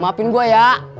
maapin gua ya